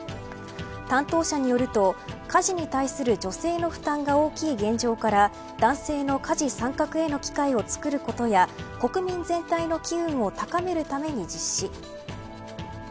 担当者によると家事に対する女性の負担が大きい現状から男性の家事参加への機会を作ることや国民全体の機運を高めるために実施。